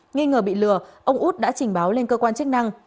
nghi ngờ bị lừa ông út đã trình báo lên cơ quan chức năng